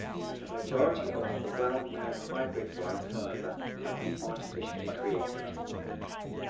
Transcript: The majority of the well-known hybrid vines however, have been artificially created.